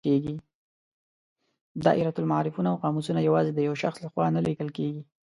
دایرة المعارفونه او قاموسونه یوازې د یو شخص له خوا نه لیکل کیږي.